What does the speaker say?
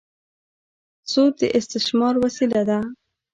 سود د استثمار وسیله ده.